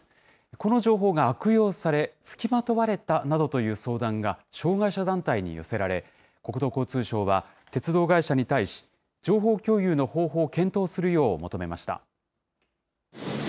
この情報が悪用され、付きまとわれたなどという相談が障害者団体に寄せられ、国土交通省は鉄道会社に対し、情報共有の方法を検討するよう求めました。